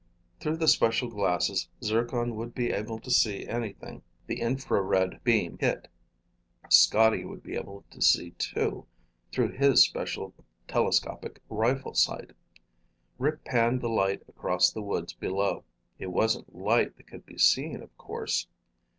Through the special glasses, Zircon would be able to see anything the infrared beam hit. Scotty would be able to see, too, through his special telescopic rifle sight. Rick panned the light across the woods below. It wasn't light that could be seen, of course.